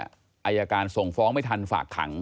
อายการส่งฟ้องไม่ทันฝากขัง